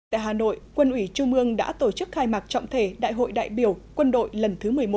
tại hà nội quân ủy trung ương đã tổ chức khai mạc trọng thể đại hội đại biểu quân đội lần thứ một mươi một